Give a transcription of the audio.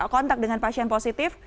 kontak dengan pasien positif